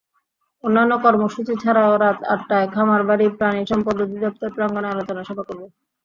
অন্যান্য কর্মসূচি ছাড়াও রাত আটটায় খামারবাড়ি প্রাণিসম্পদ অধিদপ্তর প্রাঙ্গণে আলোচনা সভা করবে।